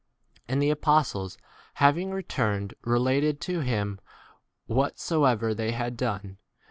10 And the apostles having re turned related to him whatso ever they had done.